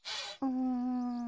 うん。